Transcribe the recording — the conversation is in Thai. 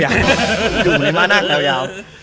อยู่ในมาร่างยาว